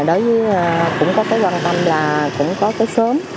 coi như là đối với cũng có cái quan tâm là cũng có cái xóm